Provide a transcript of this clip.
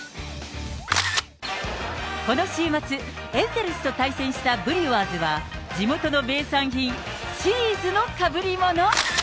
この週末、エンゼルスと対戦したブリュワーズは、地元の名産品、チーズのかぶりもの。